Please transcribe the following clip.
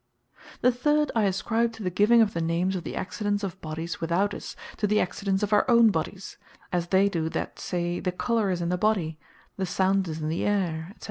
The third I ascribe to the giving of the names of the Accidents of Bodies Without Us, to the Accidents of our Own Bodies; as they do that say, the Colour Is In The Body; The Sound Is In The Ayre, &c.